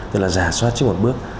tức là giả soát trước một bước